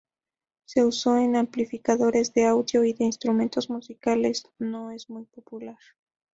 Su uso en amplificadores de audio y de instrumentos musicales no es muy popular.